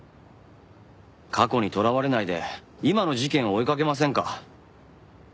過去にとらわれないで今の事件を追いかけませんか？